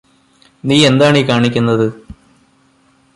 നീ എന്താണീ കാണിക്കുന്നത്